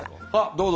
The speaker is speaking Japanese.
どうぞ。